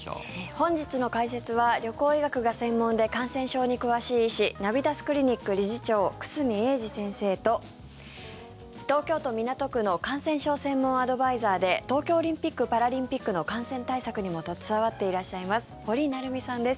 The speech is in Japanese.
本日の解説は旅行医学が専門で感染症に詳しい医師ナビタスクリニック理事長久住英二先生と東京都港区の感染症専門アドバイザーで東京オリンピック・パラリンピックの感染対策にも携わっていらっしゃいます堀成美さんです。